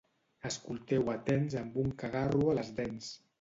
Escolteu atents amb un cagarro a les dents.